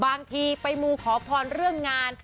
บางทีไปมูขอพรเรื่องงาน